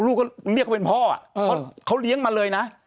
ลูกก็เรียกเขาเป็นพ่อเพราะเขาเลี้ยงมาเลยนะ